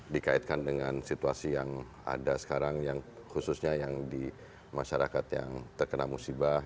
dikaitkan dengan situasi yang ada sekarang yang khususnya yang di masyarakat yang terkena musibah